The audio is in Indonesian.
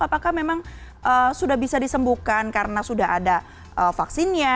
apakah memang sudah bisa disembuhkan karena sudah ada vaksinnya